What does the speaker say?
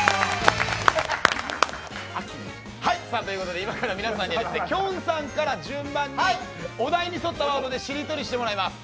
い今から皆さんにきょんさんから順番にお題に沿ったワードでしりとりしてもらいます。